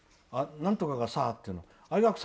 なんとかがさっていうのを。